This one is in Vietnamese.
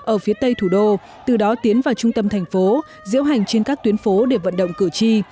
ở phía tây thủ đô từ đó tiến vào trung tâm thành phố diễu hành trên các tuyến phố để vận động cử tri